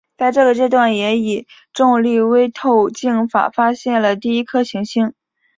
在这个阶段也以重力微透镜法发现了第一颗行星。